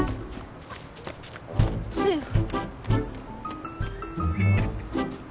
セーフ。